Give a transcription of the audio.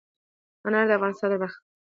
انار د افغانستان د صادراتو برخه ده.